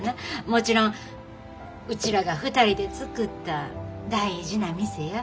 もちろんうちらが２人で作った大事な店や。